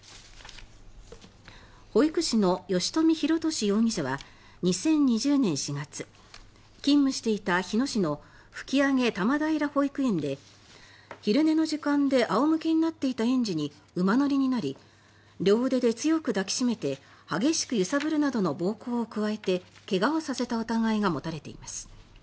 保育士の吉冨弘敏容疑者は２０２０年４月勤務していた日野市の吹上多摩平保育園で昼寝の時間で仰向けになっていた園児に馬乗りになり両腕で強く抱きしめて激しく揺さぶるなどの暴行を加えて怪我をさせた疑いが持たれています。